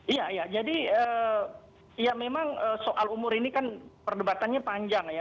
iya ya jadi ya memang soal umur ini kan perdebatannya panjang ya